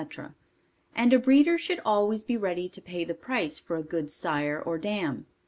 and a breeder should always be ready to pay the price for a good sire or dam.